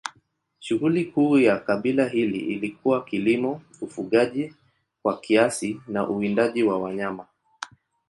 Shughuli kuu ya kabila hili ilikuwa kilimo, ufugaji kwa kiasi na uwindaji wa wanyama.